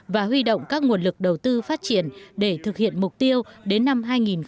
và huy động các nguồn lực đầu tư phát triển để thực hiện mục tiêu đến năm hai nghìn ba mươi